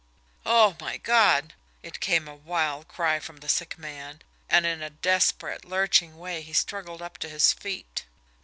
"Oh, my God!" it came in a wild cry from the sick man, and in a desperate, lurching way he struggled up to his feet.